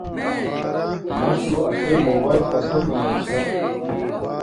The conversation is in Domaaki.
ماشو اݽی موباݵل پسند ایا چھا